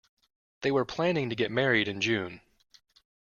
They were planning to get married in June.